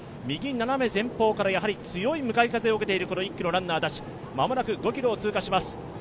右斜め前方から強い向かい風を受けている１区のランナーたち、間もなく５ｋｍを通過します。